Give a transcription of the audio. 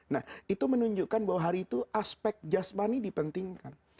nah itu menunjukkan bahwa hari itu aspek jasmani dipentingkan